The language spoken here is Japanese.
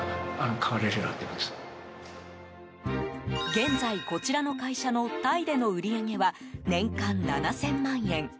現在、こちらの会社のタイでの売り上げは年間７０００万円。